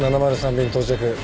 便到着。